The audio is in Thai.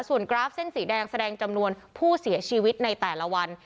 ส่วนกราฟเส้นสีแดงแสดงจำนวนผู้เสียชีวิตในแต่ละวัน